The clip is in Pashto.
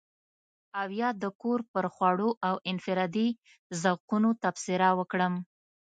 او يا د کور پر خوړو او انفرادي ذوقونو تبصره وکړم.